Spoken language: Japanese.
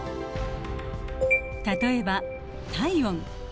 例えば体温。